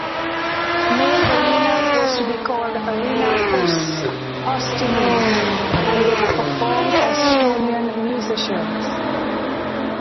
Main arena was to be called arena "Postimees" and there were performed Estonian musicians.